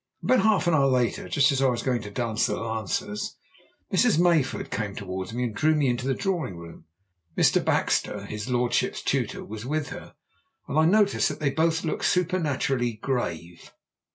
About half an hour later, just as I was going to dance the lancers, Mrs. Mayford came towards me and drew me into the drawing room. Mr. Baxter, his lordship's tutor, was with her, and I noticed that they both looked supernaturally grave.